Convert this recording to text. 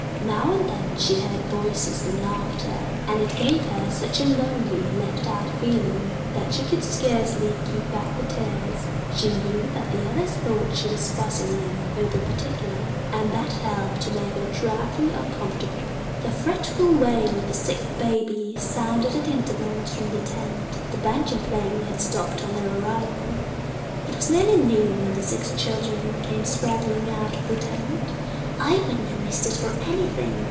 Now and then she heard voices and laughter, and it gave her such a lonely, left out feeling that she could scarcely keep back the tears. She knew that the others thought she was fussy and overparticular, and that helped to make her thoroughly uncomfortable. The fretful wail of a sick baby sounded at intervals from the tent. The banjo playing had stopped on their arrival. It was nearly noon when the six children came straggling out of the tent. "I wouldn't have missed it for anything!"